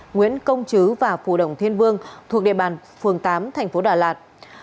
nguyễn công chứ và phù đồng thiên vương thuộc địa bàn phường tám thành phố đà lạt